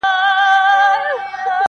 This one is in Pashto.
خدای مهربان دی دا روژه په ما تولو ارزي-